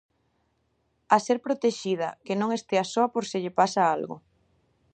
A ser protexida, que non estea soa por se lle pasa algo.